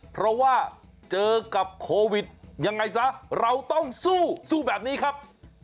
เพราะว่าเจอกับโควิดยังไงซะเราต้องสู้สู้แบบนี้ครับ